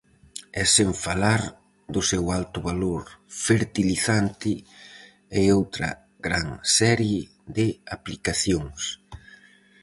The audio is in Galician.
E sen falar do seu alto valor fertilizante e outra gran serie de aplicacións.